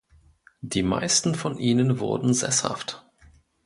Die meisten von ihnen wurden sesshaft.